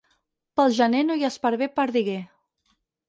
Pel gener no hi ha esparver perdiguer.